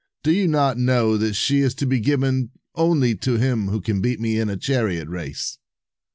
"Do you not know that she is to be given only to him who can beat me in a chariot race?"